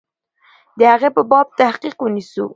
د هغې په باب تحقیق ونسو.